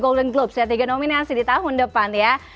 golden globes ya tiga nominasi di tahun depan ya